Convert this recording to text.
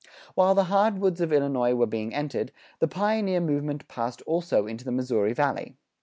While the hard woods of Illinois were being entered, the pioneer movement passed also into the Missouri Valley.